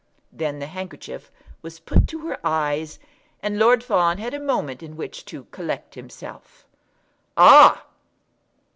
Then the handkerchief was put to her eyes, and Lord Fawn had a moment in which to collect himself. "Ah!